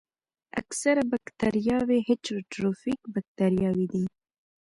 اکثره باکتریاوې هیټروټروفیک باکتریاوې دي.